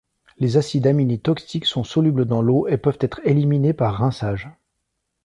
Les acides aminés toxiques sont solubles dans l'eau et peuvent être éliminés par rinçage.